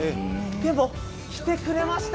でも、来てくれました。